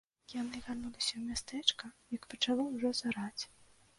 Яны вярнуліся ў мястэчка, як пачало ўжо зараць.